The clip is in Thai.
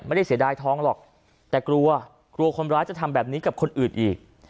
เสียดายทองหรอกแต่กลัวกลัวคนร้ายจะทำแบบนี้กับคนอื่นอีก